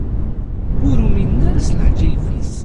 Ur uminen ara s leɛǧayeb-is.